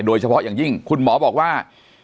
โดยเฉพาะอย่างยิ่งคุณหมอบอกว่า